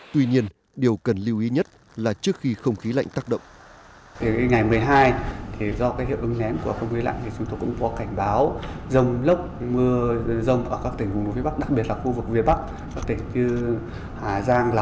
tuy nhiên điều cần lưu ý nhất là trước khi không khí lạnh tác động